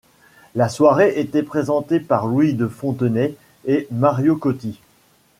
La soirée était présentée par Louis de Fontenay et Mario Cotti.